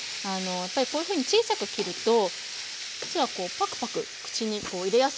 やっぱりこういうふうに小さく切ると実はパクパク口に入れやすいんですよ。